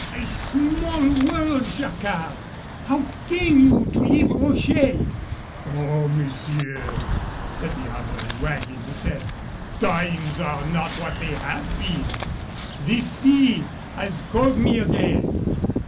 "A small world, Jacquard! How came you to leave Rochelle?" "Oh, Monsieur," said the other, wagging his head, "times are not what they have been. The sea has called me again.